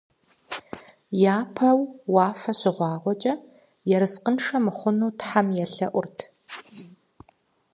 Япэу уафэ щыгъуагъуэкӀэ, ерыскъыншэ мыхъуну тхьэм елъэӀурт.